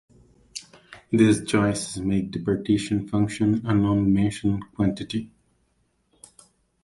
These choices make the partition function a nondimensional quantity.